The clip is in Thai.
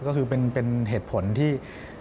ก็คือเป็นเหตุผลที่